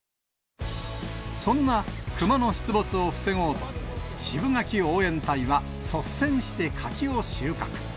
そんな熊の出没を防ごうと、シブガキ応援隊は率先して柿を収穫。